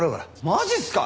マジっすか！？